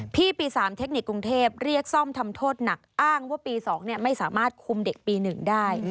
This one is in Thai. ปี๓เทคนิคกรุงเทพเรียกซ่อมทำโทษหนักอ้างว่าปี๒ไม่สามารถคุมเด็กปี๑ได้